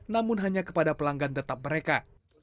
namun hanya kepada pelanggan tetap mereka